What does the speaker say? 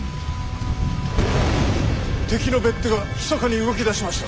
敵の別手がひそかに動き出しました。